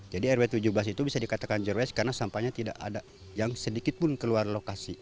jadi rw tujuh belas itu bisa dikatakan jerwes karena sampahnya tidak ada yang sedikit pun keluar lokasi